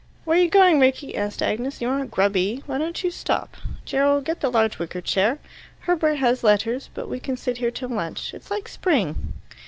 "Where are you going, Rickie?" asked Agnes. "You aren't grubby. Why don't you stop? Gerald, get the large wicker chair. Herbert has letters, but we can sit here till lunch. It's like spring."